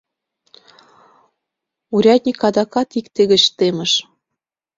Урядник адакат икте гыч темыш.